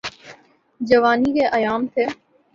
جوانی کے ایام تھے۔